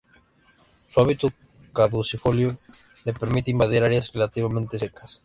Su hábito caducifolio le permite invadir áreas relativamente secas.